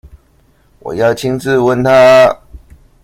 我要親自問他